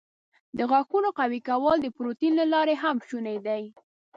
د غاښونو قوي کول د پروټین له لارې هم شونی دی.